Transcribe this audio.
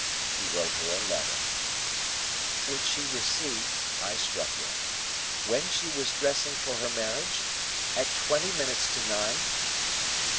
He wrote her a letter—" "Which she received," I struck in, "when she was dressing for her marriage? At twenty minutes to nine?"